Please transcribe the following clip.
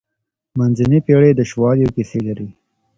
منځنۍ پېړۍ د شواليو کيسې لري.